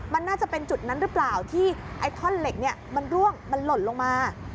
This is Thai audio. มันน่าจะเป็นจุดนั้นหรือเปล่าที่ไอ้ท่อเหล็กมันล่นลงมา